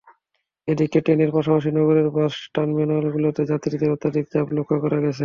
এদিকে, ট্রেনের পাশাপাশি নগরের বাস টার্মিনালগুলোতেও যাত্রীদের অত্যধিক চাপ লক্ষ্য করা গেছে।